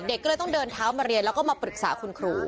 เด็กก็เลยต้องเดินเท้ามาเรียนแล้วก็มาปรึกษาคุณครู